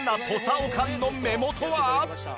おかんの目元は。